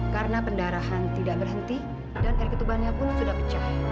karena pendarahan tidak berhenti dan air ketubannya pun sudah pecah